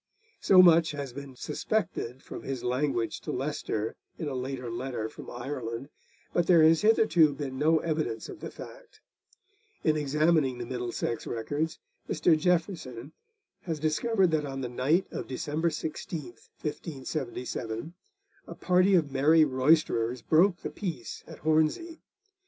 So much has been suspected, from his language to Leicester in a later letter from Ireland, but there has hitherto been no evidence of the fact. In examining the Middlesex records, Mr. Jeaffreson has discovered that on the night of December 16, 1577, a party of merry roisterers broke the peace at Hornsey.